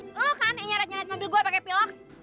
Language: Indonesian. lo kan yang nyaret nyaretin mobil gue pake piloks